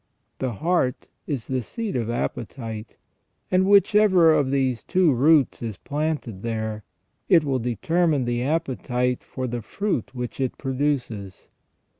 The heart is the seat of appetite, and whichever of these two roots is there planted, it will determine the appetite for the fruit which it produces.